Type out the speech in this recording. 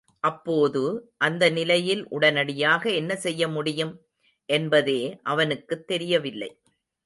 அப்போது, அந்த நிலையில் உடனடியாக என்ன செய்ய முடியும்? என்பதே அவனுக்குத் தெரியவில்லை.